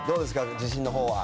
自信のほうは。